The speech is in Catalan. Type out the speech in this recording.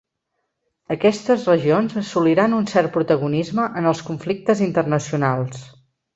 Aquestes regions assoliran un cert protagonisme en els conflictes internacionals.